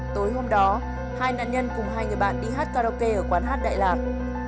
tối hôm đó hai nạn nhân cùng hai người bạn đi hát karaoke ở quán hát đại lạc